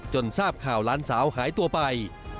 ทราบข่าวหลานสาวหายตัวไป